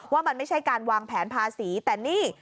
ว่ามันไม่ใช่การวางแผนภาษีแต่นี่